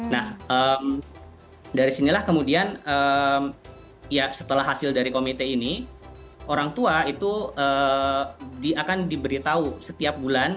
nah dari sinilah kemudian ya setelah hasil dari komite ini orang tua itu akan diberitahu setiap bulan